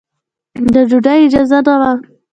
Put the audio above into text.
د ډوډۍ اجازه نه وه.